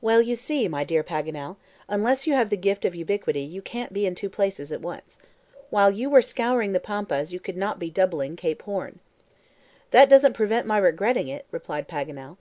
"Well, you see, my dear Paganel, unless you have the gift of ubiquity you can't be in two places at once. While you were scouring the pampas you could not be doubling Cape Horn." "That doesn't prevent my regretting it," replied Paganel.